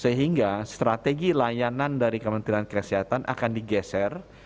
sehingga strategi layanan dari kementerian kesehatan akan digeser